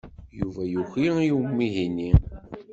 Yuba yuki i umihi-nni.